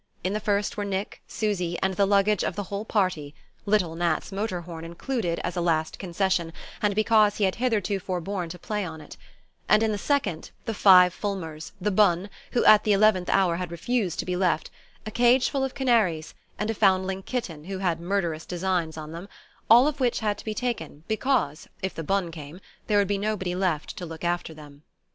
In the first were Nick, Susy and the luggage of the whole party (little Nat's motor horn included, as a last concession, and because he had hitherto forborne to play on it); and in the second, the five Fulmers, the bonne, who at the eleventh hour had refused to be left, a cage full of canaries, and a foundling kitten who had murderous designs on them; all of which had to be taken because, if the bonne came, there would be nobody left to look after them.